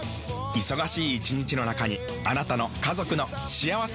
忙しい一日の中にあなたの家族の幸せな時間をつくります。